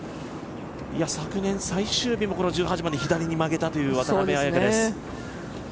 昨年、最終日もこの１８番で左に曲げたという渡邉彩香です。